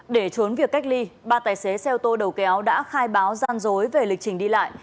để trốn việc cách ly ba tài xế xe ô tô đầu kéo đã khai báo gian dối về lịch trình đi lại